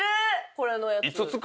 これのやつ。